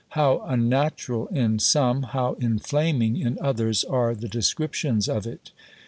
How unnatural in some, how inflaming in others, are the descriptions of it!